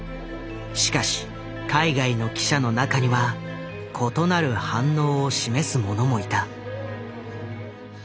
しかし海外の記者の中には異なる反応を示す者もいた。